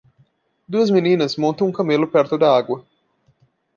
Duas meninas montam um camelo perto da água.